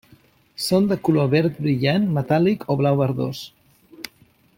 Són de color verd brillant metàl·lic o blau verdós.